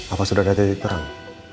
apa sudah ada titik terang